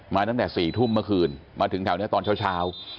ตั้งแต่๔ทุ่มเมื่อคืนมาถึงแถวนี้ตอนเช้า